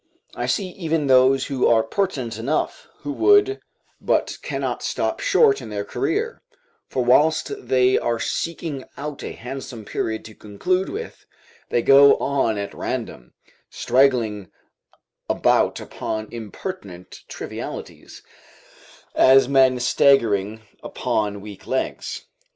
I see even those who are pertinent enough, who would, but cannot stop short in their career; for whilst they are seeking out a handsome period to conclude with, they go on at random, straggling about upon impertinent trivialities, as men staggering upon weak legs.